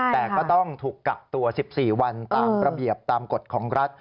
แต่ก็ต้องถูกกักตัว๑๔วันตามระเบียบตามกฎของรัฐ